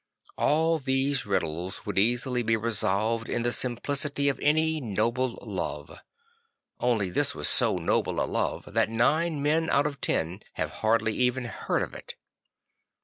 All these riddles would easily be resolved in the simplicity of any noble love ; only this was so noble a love that nine men out of ten have hardly even heard of it.